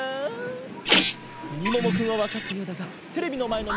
みももくんはわかったようだがテレビのまえのみんなはわかったかな？